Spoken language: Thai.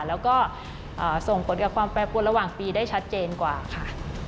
แล้วก็ส่งผลกับความแปรปวนระหว่างปีได้ชัดเจนกว่าค่ะ